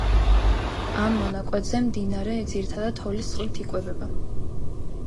ამ მონაკვეთზე მდინარე ძირითადად თოვლის წყლით იკვებება.